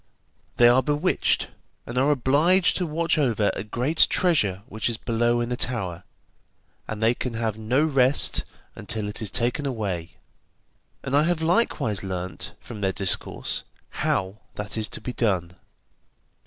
They are bewitched, and are obliged to watch over a great treasure which is below in the tower, and they can have no rest until it is taken away, and I have likewise learnt, from their discourse, how that is to be done.